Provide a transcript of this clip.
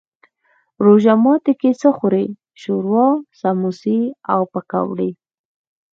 روژه ماتی کی څه خورئ؟ شوروا، سموسي او پکوړي